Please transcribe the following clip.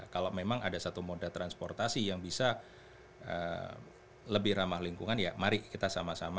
kalau memang ada satu moda transportasi yang bisa lebih ramah lingkungan ya mari kita sama sama